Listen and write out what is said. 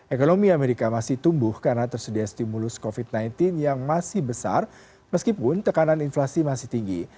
ekonomi amerika masih tumbuh karena tersedia stimulus covid sembilan belas yang masih besar meskipun tekanan inflasi masih tinggi